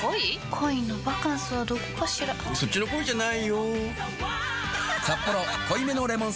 恋のバカンスはどこかしらそっちの恋じゃないよ